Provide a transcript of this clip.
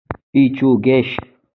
ايجوکيشن